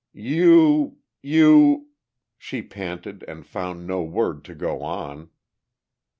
"You ... you ..." she panted, and found no word to go on.